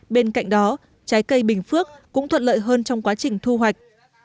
bên cạnh đó trái cây bình phước cũng thuận lợi hơn trong quá trình thu hoạch